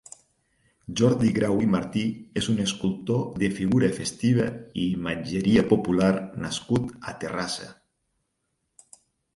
Jordi Grau i Martí és un escultor de figura festiva i imatgeria popular nascut a Terrassa.